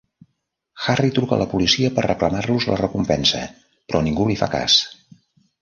Harry truca a la policia per reclamar-los la recompensa, però ningú li fa cas.